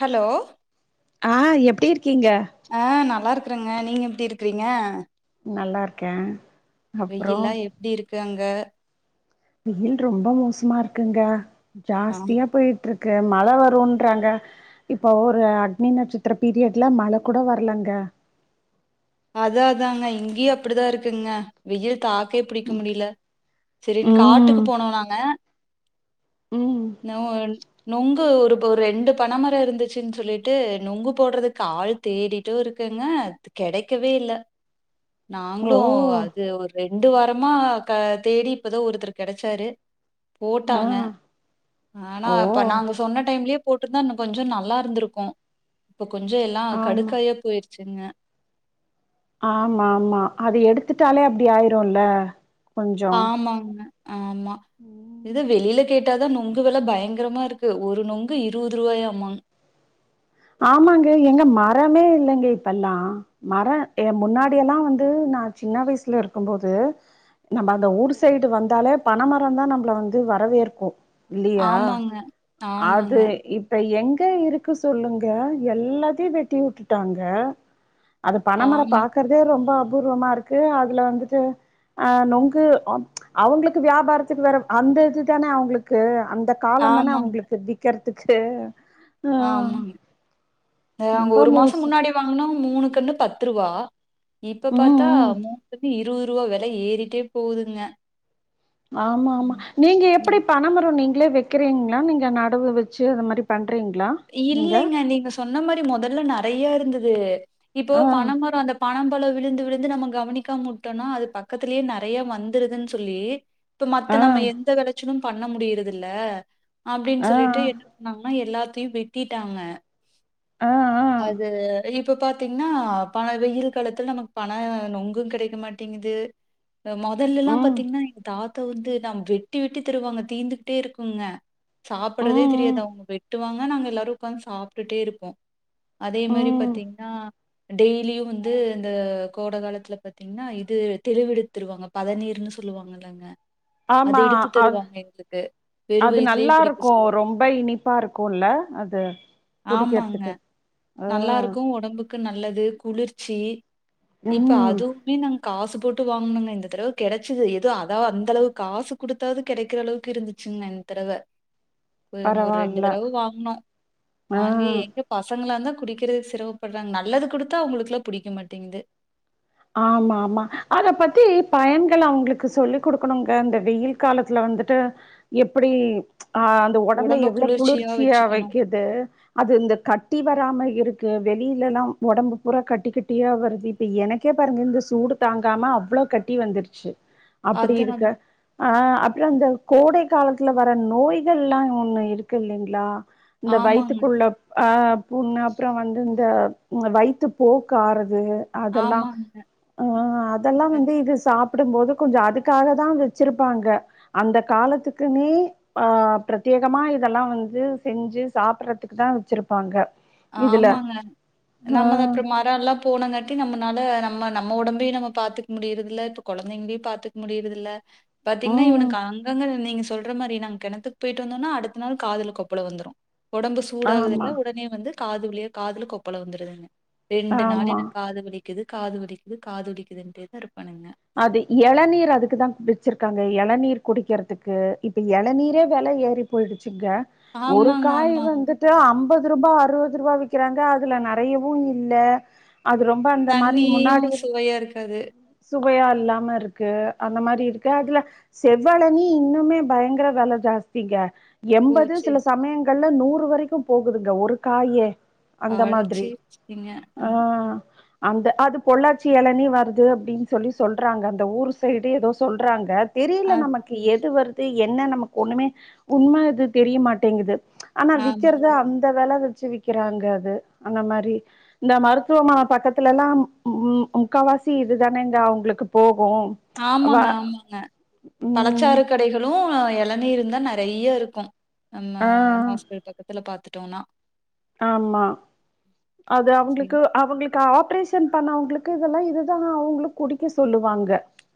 Hello ஆஹ் எப்டி இரு ஆஹ் நல்லா இருக் குறங்க நீங்க எப்டி இருக்கிறீங்க நல்லா இருக்கே அப்றோ வெயில்லா எப்டி இருக்கு அங்க வெயில் ரொம்ப மோசமா இருக்குங்க ஆ ஜாஸ்தியா போயிட்ருக் க்கு மழ வரும்ன்றாங்க இப்போ ஒரு அக்னி நட்சத்திர பீரியட்ல மழ கூட வரலங்க அதா அதாங்க இங்கயு அப்பிடிதா இருக்குங்க வெயில் தாக் கே பிடிக்க முடியல சரினு ம் காட்டுக்கு போனோம் நாங்க ம் நவ்கன் நெங்கு ஒரு ஒரு ரெண்டு பனைமரொ இருந்துச்சுன்னு சொல்லிட்டு நொங்கு போடுறதுக்கு ஆள் தேடிட்டுருக்குங்க கெடைக் கேவே இல்ல ஓ நாங்களும் து ஒரு ரெண்டு வாரமா க தேடி இப்பதான் ஒருத்தர் கிடைச்சாரு ஆ போட்டாங்க ஆனா ஓ இப்ப நாங்க சொன்ன டைம்லேயேப் போட்டுருந்தா இன்னு கொஞ்சோ நல்லா இருந்திருக்கு இப்ப கொஞ்சம் எல்லாம் ஆமா கடுக்காயா போயிருச் சின்ன ஆமா ஆமா அத எடுத்துட்டாலே அப்படி ஆயிரும்ல ஆமாங்க ஆமா இது ம் வெளியில கேட்டு ட்டாதா நொங்கு வெல பயங்கரமாருக்கு ஒரு நொங்கு இருபது ரூபாயாமா ஆமாங்க எங்க மரமே இல்லைங்க இப்பெல்லா மர எ முன்னாடில்லா வந்து நா சின்ன வயசுல இருக்கும்போது நம்ம அந்த ஊர் சைடு வந்தாலே பனை மரம்தா நம்மள வந்து வரவேற்கும் இல்லையா ஆமாங்க. அது ஆமாங்க. இப்ப எங் தே இருக்கு சொல்லுங்க கே எல்லாத்தையு வெட்டி உட்டுட்டாங்க அது பனமர ஆமா. பாக்கறதே ரொம்ப அ பூர்வமா இருக்கு அதுல வந்துட்டு அ நொங்கு அவங்களுக்கு வியாபாரத்துக்கு வேற அந்த இது தானே அவங்களுக்கு அ ந்த காலம் தானே ஆமாங்க. அவுங்களுக்கு விக்கற் துக்கு ஆமாங்க அவங்க ரொம்ப ஒரு மாச மோச முன்னாடி வாங்கணு னா மூணுக்குன்னு பத்து ரூவா இப்ப ம் பாத்தா ம் மூப்பது இரு [inaudible] ருவா வெல ஏறிட்டே போகுதுங்க ஆமா ஆமா ம். நீங்க எப்படி ம். பணமரும் நீங் இல்ல வைக்கிறீங்களா நீங்க நடவு வச்சு அது மாரி ப் இல்லைங்க நீங்க சொன்ன மாரி மொதல்ல நெறைய இருந்தது அது இப்போ ஆ பணமர அந்த பணம் எவ்வள விழுந்து விழுந்து நம்ம கவனிக்காம உட்டோனா அது பக்கத்துலே நெறைய வந்துருதுன் சொல்லி இப்ப மத்த ஆ நம்ம எந்த வெளைச்சலும் பண்ண முடியறதுல்ல அப்டின்னு ஆ சொல்லிட்டு என்ன பண்ணாங்கனா எல்லாத் த்தியு வெட்டிட்டாங்க ஆ ஆ ஆ அது [unintelligible] இப்ப பாத்தீங்கன்னா பன வெயில் காலத்துல நமக்கு பன நொங்கு கெடைக்க மாட்டேங்குது ஆ மொதல்லெல்லா ம் பாத்தீங்கன்னா எங்க தாத் த்தா அத வந்து ந வெட்டி வெட்டி தருவாங்க தீந்துகிட்டே இருக்குங்க சாப்பிடறதே ம் ம் தெரியாது அவங்க வெட் வெட்டுவாங்க நாங்க எல்லாரு உக்காந்து சாப்ட்டுட்டே இருப்போ அதே மாரி ம் பாத்தீங்கன்னா டெய்லியு வந்து இந்த கோட காலத்துல பாத்தீங்கன்னா இது தெலுவெடுத்து தருவாங்க பதநீர்ன்னு சொல்லுவாங்கல்லங்க அது ஆமா எடுத்து அத் தருவாங்க எங்களுக்கு. வெறும் அது வயித்துலயே குடிக்க நல்லாருக்கு சொல்லுவாங்க. ரொம்ப இனிப்பா இருக் க்குல்ல அது ஆமாங்க. குடிக்கிறதுக்கு ஆஹ் நல்லாருக்கும். உடம்புக்கு நல்லது, குளிர்ச்சி இப்ப அதுவுமே நாங்க காசு போட் போட்டு வாங்கனுங்க இந்த தடவை கெடைச்சது ஏதோ அதாவ அந்த அளவுக்கு காசு குடுத்தாவது கெடைக்கிற அளவுக்கு இருந்துச்சுங்க இந்த தடவ [unintelligible] ரெண்டு பரவால்ல தடவ வாங்குனோ ஆ வாங்கி எங்க பசங்கள வந் குடிக்கிறது சிரமப்படுறாங்க நல்லது குடுத்தா அவங்களுக்கல்லா புடிக்க மாட்டேங்குது ஆமா ஆமா அத பத்தி பயன்கள் அவங்களுக்கு சொல்லி் கொடுக்கணுங்க இந்த வெயில் காலத்துல வந்துட்டு எப்படி ஆஹ் அந்த ஒடம்ப உடம்ப எவ்வளவு குளிர்ச்சியா வச்சுக்கணும். வைக்குது அது இந்த கட்டி வராம இருக்கு வெளியிலல்லா ஒடம்பு பூரா கட்டி கட்டியா வருது இப்ப எனக்கு க்கே பாருங்க இந்த சூடு தாங்காம அவ்ளோ கட்டி வந்துருச்சு அப்படி அதான் இருக்க ஆஹ் அப்பறம் அந்த கோடை காலத்துல வர நோய்கள்லா ஒண்ணு இருக்கு இல்லைங்களா இந்த ஆமாங்க, வயித்துக்குள்ள அஹ் புண்ணு அப்றோ வந்து இந்த இந்த வயித்து போக்கு ஆறது து அதெல்லா ஆமாங்க. ஆஹ் அதெல்லா அது வந்து இது சாப் ப்பிடும்போது கொஞ்ச அதுக்காகதா வச்சிருப்பாங்க அந்த காலத்துக்குன்னே ஆஹ் பிரத்தயேகமா இதெல்லா வந்து செஞ்சு சாப்பிடடுறதுக்குதா வச்சிருப்பாங்க இதுல ஆமாங்க ஆ நம்மத அப்றோ மரோ எல்லா போனங்காட்டி நம்மனால நம்ம நம்ம ஒடம்பையு நம்ம பாத்துக்க முடியுறதில்ல இப்ப கொழந்தைங்களையு பாத்துக்க முடியுறதில்ல பாத்தீங்கன்னா ம் இவனுக்கு அங்கங்க நீங்க சொல்ற மாரி நாங்க கெணத்துக்கு போயிட்டு வந்தோன்னா அடுத்த நாள் காதுல கொப்பளோ வந்துரு ஒடம்பு சூடாகுதல்ல ஆமா உடனே வந்து காது வலியே காதுல கொப்பல வந்துருது ரெண்டு நாள் ஆமா எனக் காது வலி இது காது வலிக்குது காது வலிக்குது [unintelligible] அது இளநீர் அதுக்குதா வச்சிருக்காங் இளநீர் குடிக்கிறதுக்கு இப்ப இளநீரே வில ஏறி போயிடுச்சு இங்க ஒரு ஆமாங்க, காய் ஆமாங்க. வந்துட்டு அம்பது அம்பது ரூபா அறுபது ரூபா வக்கிறாங்க அதுல நறையவு இல்ல அது ரொம்ப அந்த மாரி தண்ணியு முன்னாடி சுவையா இருக்காது சுவையா இல்லாம இருக்கு அந்த மாரி இருக்க அதுல செவ்இளனி இன்னுமே பயங்கர வில ஜாஸ்திங்க ஓ! எண்பது சில சரி. சமயங் கல்ல நூறு வரைக்கும் போகுதுங்க ஒரு காயே அந்த மாதிரி அடச்சீ! ச்சீங்க. அ ஆஹ் அந்த அது பொள்ளாச்சி இலனி வருது அப்படின் சொல்லி சொல்றாங்க அந்த ஊர் சைடே ஏதோ சொல்றாங்க தெரியல அதான். நமக்கு எது வரு என்ன நமக்கு ஒண்ணுமே உண்ம அது தெரிய மாட்டேங்குது ஆனா ஆமாங்க. விக்கறத அந்த வில வித் வச்சி விக்கிறாங்க அது அந்த மாரி இந்த மருத்துவமன பக்கத்துலல்லாம் முக்காவாசி இதுதானே அவங்களுக்கு போ ஆம்மாங்க ஆம்மாங்க ம் பழச்சாறு கடைகளு எல தண்ணி இருந்தா நெறைய இருக்கு நம்ம ஆ ஹாஸ்டல் பக்கத்துல பாத்துட்டோன்னா ஆம்மா அது சரி. அவங்ளுக்கு அவங்ளுக்கு ஆப் ஆப்ரேஷன் பண்ணவங்ளுக்கு இதெல்லா இதுதா அவங்ளுக்கு குடிக்க சொல்லுவாங்க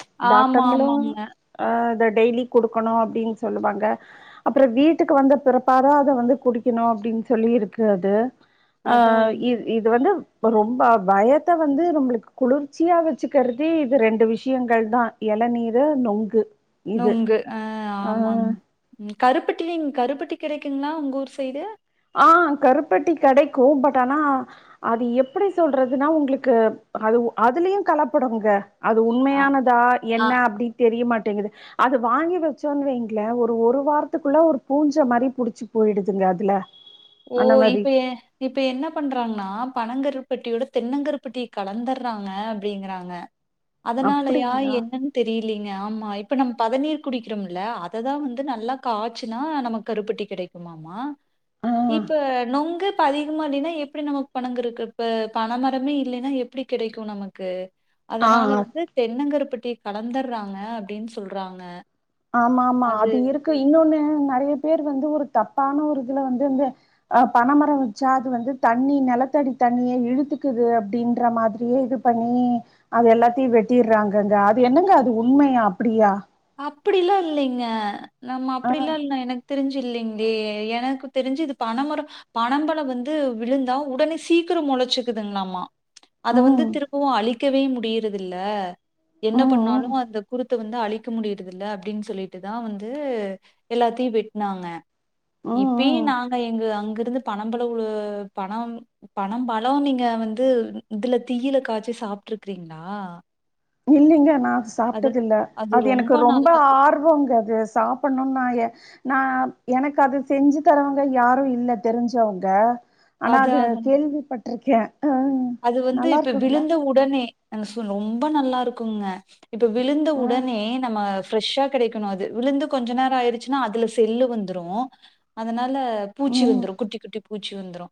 ச் ஆமா, டாக்டர்ங்களு ஆமாங்க. அ தட் டெய்லி கொடுக்கணு அப்டின் சொல்லுவாங்க அப்புரோ வீட்டுக்கு வந்த பிறப்பாத அத வந்து குடிக்கணு அப்டின் சொல்லி இருக் க்கு அது அதான் ஆஹ் அது. இ இது வந்து ரொம்ப வயத்த வந்து நம்ளுக்கு குளிர்ச்சியா வச்சுக்கறதே இது ரெண்டு விஷயங்கள் தா எளநீரு நொங்கு இது நொங்கு ஆஹ் ஆ ஆமாங் ம் கருப்பட்டிலிங் கருப்பட்டி கிடைக்குங்ளா உங்க ஊர் ஸைடு ஆஹ் கருப்பட்டி கெடைக்கு பட் ஆனா அது எப்படி சொல்றதுனா உங்களுக்கு அது அதுலயு கலப்படொங்க அது அ உண்மையானதா ஆ. என்ன அப்படி தெரியமாட் டெங்கது அது வாங்கி வச்சொன் வெய்ங்ள ஒரு ஒரு வாரத்துக்குள்ள ஒரு பூஞ்ச மரி புடிச்சு போயிடுதுங்க அதுல ஓ அந்த மாரி இப்ப எ இப்ப என்ன பண்றாங்னா பனங்கருப்பட்டியோட தென்னங்கருபட்டிய கலந்துடுறாங்க அப்டிங்கறாங்க அதனால யா அப்டிங்களா? என்னென் தெரியலீங்க ஆமா இப்ப நம் பதநீர் குடிக்கிறோம்ல அததா வந்து நல்லா காய்ச்சுனா நமக் கருப்பட்டி கெடைக்குமாமா ஆ இப்ப நொங்கு இப்ப அதிகமா இல்லைன்னா எப்டி நமக்கு பனங் கருக் இப் அஹ் பனமரமே இல்லைன்னா எப்டி கிடைக்கு நமக்கு ஆ அதனால ஆ வந்து தென்னங்கரப்பட் டி கலந்துடுறாங்க அப்டின் சொல்றாங்க ஆமா ஆமா அது இருக்கு இன்னொன்னு அ நெறைய பேர் வந்து ஒரு தப்பான ஒரு இதுல வந்து இந்த அஹ் பனைமரோ வச்சா அது வந்து தண்ணி நெலத்தடி தண்ணிய இழுத்துக்குது அப்டின்ற மாரியே இது பண்ணி அது எல்லாத்தியு வெட்டிடுறாங்கங்க அது என்னங்க அது உண்மையா அப்டியா அப்டிலா இல்லைங்க நம்ம அப்டி ஆஹ் இல்லா எனக் தெரிஞ் இல்லெங்ளே எனக்கு தெரிஞ்சு இது பனமர பனம்பழோ வந்து விழுந்தா உடனே சீக்கிரொ மொழைச்சுக்குதுங்களாமா அதை உம் வந்து திருப்பவு அழிக்கவே மு டியிறதில்ல என்ன உம் பண்ணாலும உம் அந்த குருத்து வந்து அழி க்க முடியறத இல்ல அப்டின்னு சொல்லிட்டுதா வந்து எல்லாத்தயு வெட்னாங்க உம் இப்பெயு உம் நாங் ஆ எங்க அங்க இருந்து பன பழோ உ பனம் பன பழோ நீங்க வந்து இதுல தீயில காச்சி சாப்ட்டுருக்றீங்ளா இல்லைங்க நா சாப்டது இல்ல அது எனக்கு ரொம்ப ஆர்வங்க அது சாப்புன்னோனு நா எ நா எனக்கு அது செஞ்சு தரவங்க யாரு இல்ல தெரிஞ்சவங்க ஆனா அது கேள்வி பட்றுக் கே அது வந்து இப்ப விழுந்த உடனே என்சு ரொம்ப நல்லா இருக்குங்க இப்போ விழுந்த ஆ உடனே நம்ம ஃப்ரெஷ்ஷா கிடைக்கணு அது விழுந்து கொஞ்ச நேரோ ஆயிருச்சுன்னா அதுல செல்லு வந்துரு அதனால னால பூச்சி ம் வந்துரு குட்டி குட்டி பூச்சி வந்துரு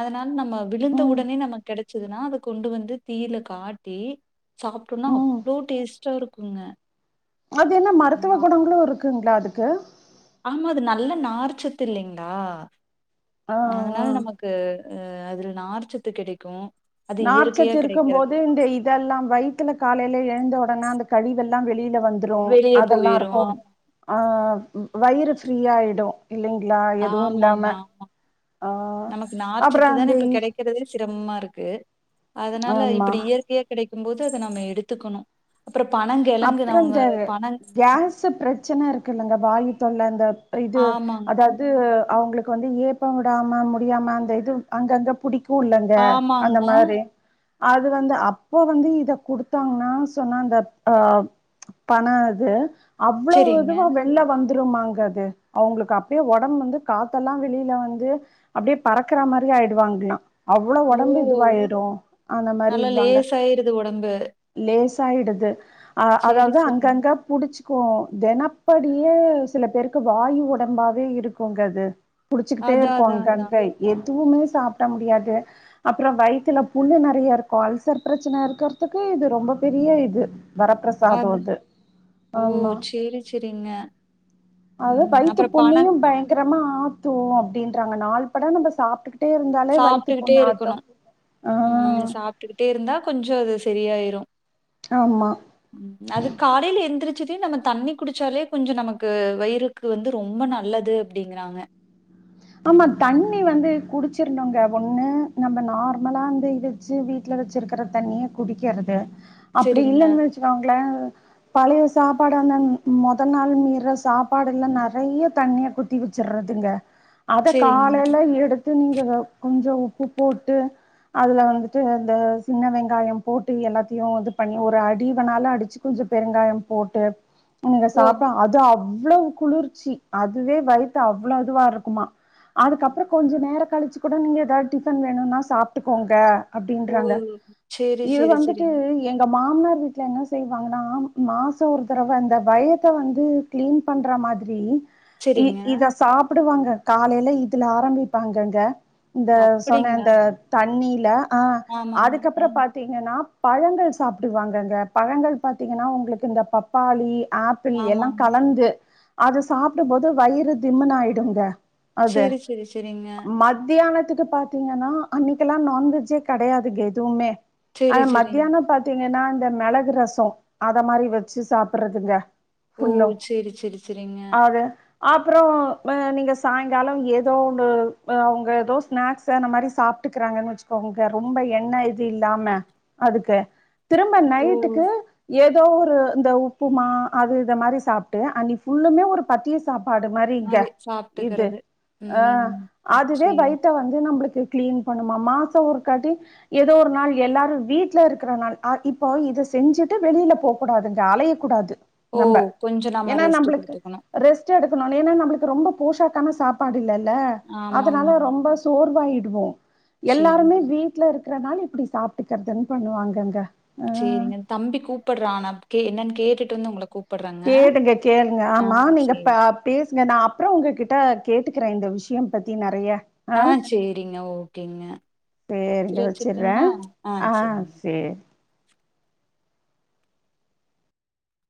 அதனால நம்ம விழுந்த ம் உடனே நமக்கு கிடச்சதுன்னா அதக் கொண்டு வந்து தீயில காட்டி சாப்பிட்டோம்னா ம் அவ்ளோ டேஸ் டா இருக்குங்க அது என்ன மருத்துவ ஆ குணங்களு இருக் க்குங்களா அதுக்கு ஆமா அது நல்ல நார்ச்சத்து இல்லீங்களா ஆ ஆ அதனால நமக்கு அஹ் அதுல நார்ச்சத்து கிடைக்கு நார்ச்சத்து இருக்கும் போது இந்த இதெல்லா வயித்துல காலையில எழுந்தவுடனே அந்த கழிவெல் ளா வெளில் ல வந்துரு வெளிய அதெல்லாருக்கு போயிரும். அ வயிறு ஃப் ஃப்ரீயாயிடு இல்லைங்களா எதுவு ஆமாங்க. இல்லாம ஆ அப்பறோ அந்த [unintelligible] தம்மாருக்கு அதனால ஆமா இப்டி இயற்கையா கிடைக் க்கும் போது அத நம்ம எடுத்துக்கணு அப்றோ பனங்கெழங்கு அப்புறம் நாங்க இந்த பனங் கேஸ் பிரச்சன இருக்குல்லங்க வாயு தொல்ல தப் இது ஆமாங்க அதாவது அவங்களுக் வந்து ஏப்போ விடாம முடியாம அந்த இது அங்கங்க பிடிக்கு குலங்க ஆமாங்க அந்த மாரி அது வந்து அப்ப வந்து இத குடுத்தாங்கனா சொன்னாங்கப் ஆ பணது அவ்ளோ செரிங்க இதுவா வெள்ல வந் வந்துருமாங்கது அவங்களுக்கு அப்யே ஒடம்பு வந்து காத்தெல்லா வெளியில வந்து அப்படியே பறக்குற மாரி ஆயிடுவாங்களா அவ்ளோ ஓ ஒடம்பு இதுவாயிடு அந்த மாரி நல்லா இர்வாங்க லேசாயிருது ஒடம்பு லேஸ் சயிடுது அ, சேரி அதாவது சேரிங்க அங்கங்க புடிச்சி ப்போ தெனப்படிய்யே சில பெருக்கு வாயூ வுடம்பாவே இருக்குங்க அது குடிச்சுகிட்டே அதா அதா அதா இருக்கு [unintelligible] எத் த்துனு சாப்ட முடியாது அப்புறம் வயித்துல புன்னு நெறைய இருக்கு அல்சர் பிரச்சன இர்க்கறதுக்கு இது ரொம்ப பெரிய இது வரப்பிரசாதோ அது இது ஓ ஆமா சேரி சேரிங்க அது ம் வைத்து அப்றோ பன புண்ணெயு பயங்கர ப்ரமா ஆத்தூ அப்டின்றாங்க நால் பட நம்ப சாப்ட்டுகிட் சாப்ட்டுக்கிட்டே இருக்குணு ஆ ம் சாப்ட்டுக்கிட்டே இருந்தா கொஞ்சோ அது செரியாயிரு ஆமா அது காலையில எந்திரிச் செர்ரி நம்ம தண்ணி குடிச்சாலே கொஞ்சோ நமக்கு வயிறுக்கு வந்து ரொம்ப நல்லது அப்டிங்றாங்க ஆம்மா தண்ணி வந்து குடிச்சிருந்தவங்க வொண்ண நம்ம நார்மலா அந்து இது இதுச்சு வீட்ல வச்சிருக்கிற தண்ணி குடிக்கிறது அப்டி சேரிங்க இல்லைன்னு வெச்சுக்கோங்ளே பழய சாப்பாடனன் மொதல் நாள் மீர்ர சாப்பாடுல்லா நெறையே தண்ணிய குத்தி வச்சிற்றதுங்க அதக் சரிங்க. காலைலே எடுத்து நீங்க வெவ் கொஞ்சோ உப் ப்பு போட்டு அதுல வந்துட்டு இந்த சின்ன வெங்காயம் போட்டு எல்லாத்தியு இது பண்ணி ஒரு அடிவேணாலு அடிச்சி கொஞ்சோ பெருங்காயம் போட்டு உனுக்கு ஓ! சாப்ப அது அவ் இவ்ளோ குளிர்ச்சி அதுவே வயித்து அவ்ளோ அதுவாருக்குமா அதுக்கப்புறொ கொஞ்ச நேர கழிச்சு குட நீங் ஏதாவ் டிஃபன் வேணும்னா சாப்ட்டுக்கோங்கே ஓ! அப்டின்றாங்க சரி, இது சரி, வந்துட்டூ சரிங்க. எங்கப் மாம்னார் வீட்ல என்ன செய்வாங்ன்னா மாசோ ஒர் தரவ அந்த வயத்த வந்தூ க்ளீன் பண்ற மாத்ரீ இ சரிங்க. இத சாப்புடுவாங்க காலையில இதுல ஆரம்பிப்பாங்கங்கே இந்தே சொன்ன அப்படிங்களா? அந்த தண்ணீ லே ஆ ஆமாங்க. அ, அதுக்கப்புறோ பாத்தீங்கனா பழங்கள் சாப்டுவாங்கங்க பழங்கள் பார்த்தீங்கனா உங்ளுக்கு இந்த பப்பாள்ளீ ஆப்பிள் எல்லான் ஆமாங்க. கலந்து அது சாப்டு போது வயீறு திம்முன்னு ஆயிடுங்க அது சரி, சரி, சரிங்க. மத்தியானத் த்துக்கு பார்த்தீங்கனா அன்னிக்கெல்லா நான்வெஜ்ஜே கிடையாதுங்க எதுவுமே சரி, அனா சரிங்க. மத்தியான பாத்தீங்கனா இந்த மெளகு ரசோ அத மாரி வச்சி சாப்புற்றதுங்க ஓ செரி செரி செரிங்க ஆப்புறோ பே நீங்க ஸ் சாயங்காலம் ஏதோ ஒண்ணு் அவங்க ஏதோ ஸ்நாக்ஸ் அந்த மாதிரி சாப்பிட்டுக்கிறாங்கன்னு வச்சுக்கோங்க ரொம்ப எண்ண இது இல்லாம அதுக்கு திரும்ப ஓ! நைட்டுக்கு ஏத் ஒரு இந்த உப்புமா அது இத மாதிரி சாப்பிட்டு புல்லு மே ஒரு பத்த சாப்பாடு மாதிரிங்க மாரி இது சாப்ட்டுக்கிறது. ஆஹ ம். ம். அதுவே சரி. பைத்த வந்து ந கிள பண்ண மாசம்ாட்டி ஏதோ ஒரு நாள் எல்லாரும் வீட்டுல இருக்கிற நா இப்போ இத செஞ்சுட்டு வெளியில போகக்கூடாது அலையக்கூடாது ஓ! நம கொஞ்சம் நம்ம ஏன்னா ரெஸ்ட் நம்மளுக்கு குடுத்துக்கணும். ரெஸ்ட்ட் எடுக்கணும் ஏன்னா நம்மளுக்கு ரொம்ப போஷக்கன சாப்பாடுல்லலைல்ல ஆமாங்க, அதனால ஆமா. ரொம்ப சோர்வாயிடு வோ சரிங்க, எல்லாருமே வீட்ல இருக்கு [unintelligible] நாள் இப்டி சாப்பிட்டுக்கறது என்ன பண்ணுவாங்க அங்க சரிங்க தம்பி கூப்பிடுறான்னா கே என்னன்ன கேட்டு வந்து உங்களை கூ கேளுங்க கேளுங்க ஆமா நீங்க சரி. பேசுங்க நான் அப்பறோ உங்க கிட்ட கேட்டுக்கிற இந்த விஷயம் பத்தி நெறைய ஆ ஆஹ் சேரிங்க ஓகேங்க சேரிங்க சரி வச்சிட்றே வச்சுட்டுங்களா ஆ ஆஹ் சரிங்க சேரி